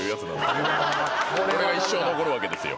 これが一生残るわけですよ。